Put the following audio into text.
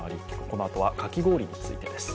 このあとはかき氷についてです。